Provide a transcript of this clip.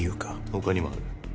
他にもある。